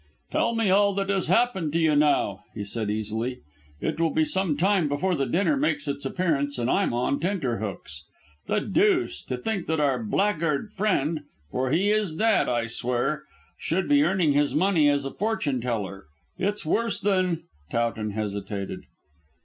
"Tell me all that has happened to you now," he said easily; "it will be some time before the dinner makes its appearance, and I'm on tenterhooks. The deuce, to think that our blackguard friend for he is that, I swear should be earning his money as a fortune teller. It's worse than " Towton hesitated.